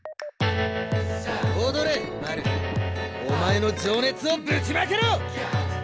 お前の情熱をぶちまけろ！